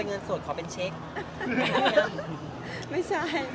คืนที่๓ไม่สบาย